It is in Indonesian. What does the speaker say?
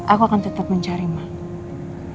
aku akan tetep mencari mama